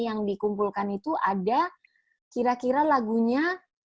yang dikumpulkan itu ada kira kira lagunya tujuh ratus